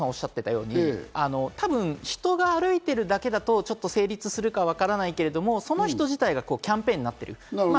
多分、人が歩いてるだけだとちょっと成立するかはわからないけど、その人自体がキャンペーンになっている。